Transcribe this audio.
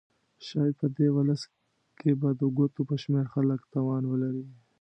شاید په دې ولس کې به د ګوتو په شمېر خلک توان ولري.